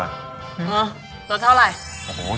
รดเท่าไหร่